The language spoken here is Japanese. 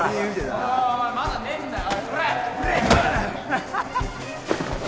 時間ねえんだよ。